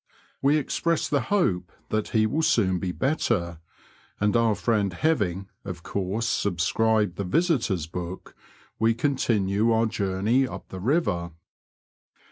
We express the hope that he will soon be better, and our friend haying, of course, sub •scribed the '* Visitors' Book," we continue our journey up the river.